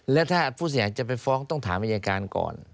แล้วถ้าผู้เสียหายจะไปฟ้องต้องถามอายการก่อน